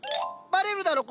バレるだろ